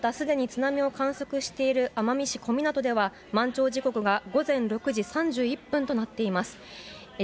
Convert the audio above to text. すでに津波が来ている奄美市小湊は満潮時刻午前６時３１分となっています。